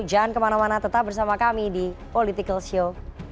jangan kemana mana tetap bersama kami di political show